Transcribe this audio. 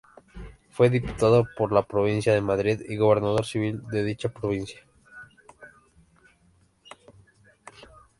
Fue diputado por la provincia de Madrid y gobernador civil de dicha provincia.